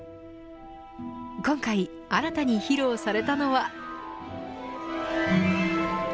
今回、新たに披露されたのは。